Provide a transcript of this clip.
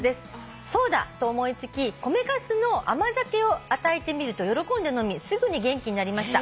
「そうだと思い付き米かすの甘酒を与えてみると喜んで飲みすぐに元気になりました」